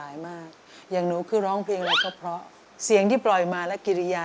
มากอย่างหนูคือร้องเพลงอะไรก็เพราะเสียงที่ปล่อยมาและกิริยา